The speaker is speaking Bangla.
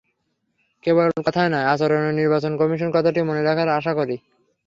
কেবল কথায় নয়, আচরণেও নির্বাচন কমিশন কথাটি মনে রাখবে আশা করি।